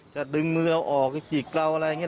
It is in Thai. จะดึงมือเราออกจะจิกเราอะไรอย่างนี้